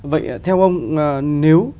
vậy theo ông nếu